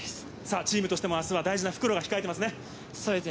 チームとしても明日は大事な復路が控えていますね。